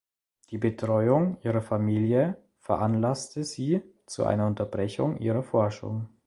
Die Betreuung ihrer Familie veranlasste sie zu einer Unterbrechung ihrer Forschung.